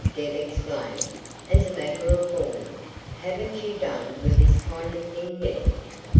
Deb exclaimed, as a matter of form. "Haven't you done with this kind of thing yet?"